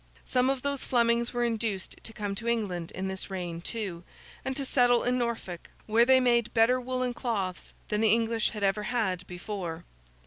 Some of those Flemings were induced to come to England in this reign too, and to settle in Norfolk, where they made better woollen cloths than the English had ever had before.